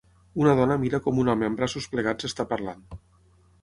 Una dona mira com un home amb braços plegats està parlant.